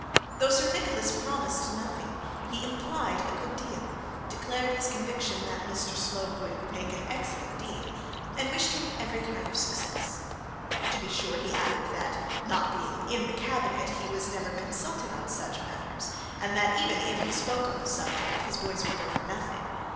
Though Sir Nicholas promised nothing he implied a good deal; declared his conviction that Mr Slope would make an excellent dean, and wished him every kind of success. To be sure he added that, not being in the cabinet, he was never consulted on such matters, and that even if he spoke on the subject his voice would go for nothing.